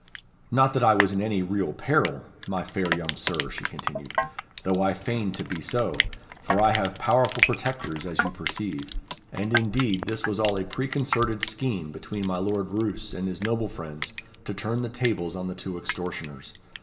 "Not that I was in any real peril, my fair young Sir," she continued, "though I feigned to be so, for I have powerful protectors, as you perceive; and indeed this was all a preconcerted scheme between my Lord Roos and his noble friends to turn the tables on the two extortioners.